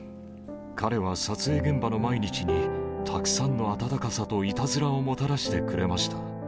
彼は撮影現場の毎日にたくさんの温かさといたずらをもたらしてくれました。